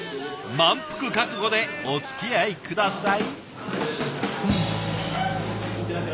満腹覚悟でおつきあい下さい。